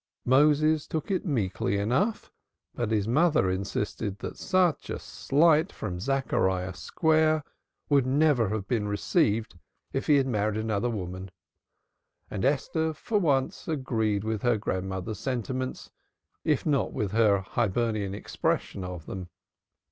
Moses took it meekly enough, but his mother insisted that such a slight from Zachariah Square would never have been received if he had married another woman, and Esther for once agreed with her grandmother's sentiments if not with her Hibernian expression of them.